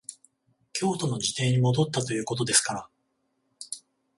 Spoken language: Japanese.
京都の自邸に戻ったということですから、